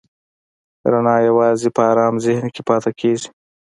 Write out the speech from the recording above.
رڼا یواځې په آرام ذهن کې پاتې کېږي.